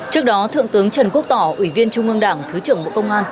trước đó thượng tướng trần quốc tỏ ủy viên trung ương đảng thứ trưởng bộ công an